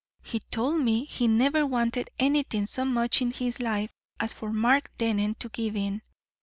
He told me he never wanted anything so much in his life as for Mark Dennen to give in.